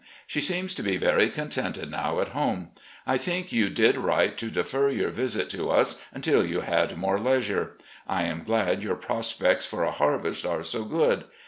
She seems to be very contented now at home. I think you did right to defer your visit to tis until you had more leisure. I am glad your pros pects for a harvest are so good.